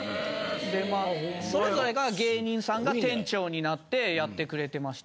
それぞれが芸人さんが店長になってやってくれてまして。